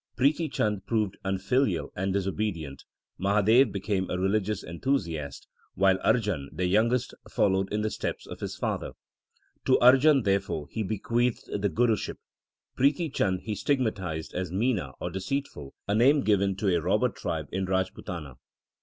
Prithi Chand proved unfilial and disobedient, Mahadev became a religious enthusiast, while Arjan, the youngest, followed in the steps of his father. To Arjan, therefore, he bequeathed the Guruship. Prithi Chand he stigmatized as Mina or deceitful, a name given to a robber tribe in Rajputana.